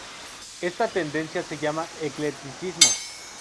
Esta tendencia se llama eclecticismo.